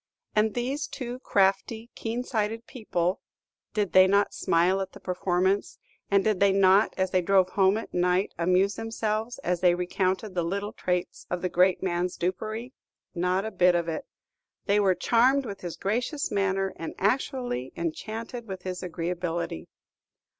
And these two crafty, keen sighted people, did they not smile at the performance, and did they not, as they drove home at night, amuse themselves as they recounted the little traits of the great man's dupery? Not a bit of it. They were charmed with his gracious manner, and actually enchanted with his agreeability.